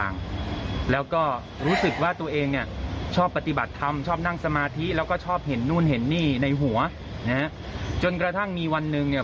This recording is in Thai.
นั่งสมาธิแล้วก็ชอบเห็นนู่นเห็นนี่ในหัวจนกระทั่งมีวันหนึ่งเนี่ย